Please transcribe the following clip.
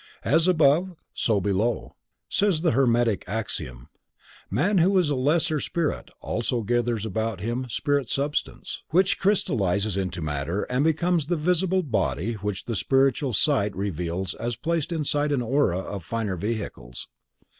As above, so below, says the Hermetic axiom. Man, who is a lesser spirit, also gathers about himself spirit substance, which crystallizes into matter and becomes the visible body which the spiritual sight reveals as placed inside an aura of finer vehicles.